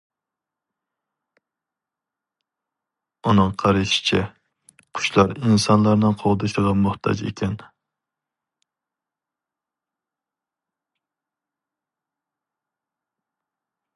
ئۇنىڭ قارىشىچە، قۇشلار ئىنسانلارنىڭ قوغدىشىغا موھتاج ئىكەن.